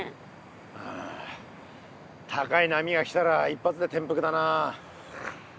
ああ高い波が来たら一発でてんぷくだな。